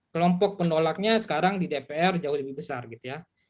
kelompok penolaknya sekarang di dpr jauh lebih besar gitu ya